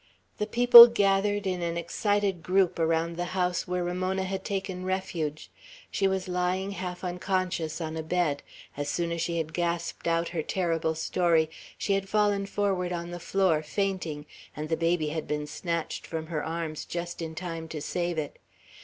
The people gathered in an excited group around the house where Ramona had taken refuge. She was lying, half unconscious, on a bed. As soon as she had gasped out her terrible story, she had fallen forward on the floor, fainting, and the baby had been snatched from her arms just in time to save it.